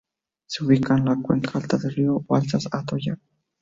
Se ubica en la cuenca alta del río Balsas-Atoyac.